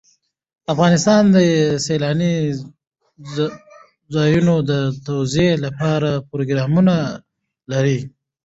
افغانستان د سیلانی ځایونه د ترویج لپاره پروګرامونه لري.